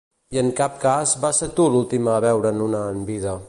I en cap cas vas ser tu l'última a veure'n una en vida.